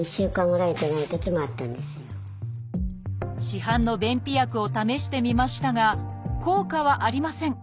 市販の便秘薬を試してみましたが効果はありません。